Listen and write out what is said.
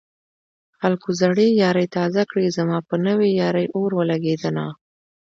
خلکو زړې يارۍ تازه کړې زما په نوې يارۍ اور ولګېدنه